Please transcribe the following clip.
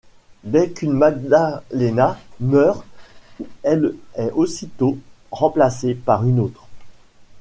Dès qu'une Magdalena meurt, elle est aussitôt remplacée par une autre.